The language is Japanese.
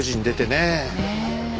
ねえ。